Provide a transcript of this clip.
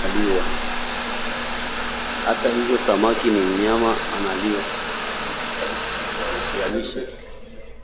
Hata hivyo, samaki ni mnyama na analiwa